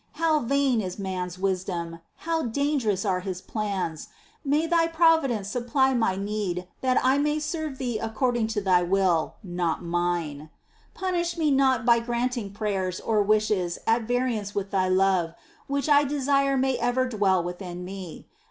How vain is man's wisdom ! How dangerous are his plans ! May Thy providence supply my need that I may serve Thee according to Thy will, not mine ! 6. Punish me not by granting prayers or wishes at variance with Thy love, which I desire may ever dwell within me.